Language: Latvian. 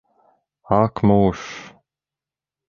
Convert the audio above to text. Ak mūžs!